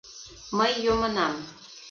— Мый йомынам.